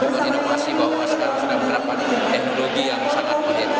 dan juga inovasi bahwa sekarang sudah berapa teknologi yang sangat baik